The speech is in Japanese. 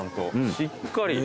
しっかり。